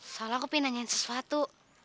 soalnya aku pengen nanyain sesuatu